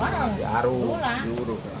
di aru di aru